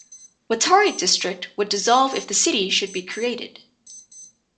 Watari District would dissolve if the city should be created.